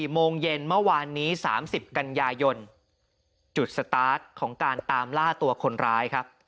โมงเย็นเมื่อวานนี้๓๐กันยายนจุดสตาร์ทของการตามล่าตัวคนร้ายครับ